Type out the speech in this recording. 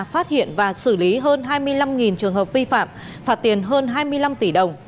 phát hiện và xử lý hơn hai mươi năm trường hợp vi phạm phạt tiền hơn hai mươi năm tỷ đồng